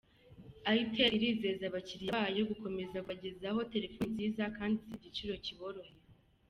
itel irizeza abakiriya bayo gukomeza kubagezaho telephone nziza kandi ziri kugiciro kiboroheye.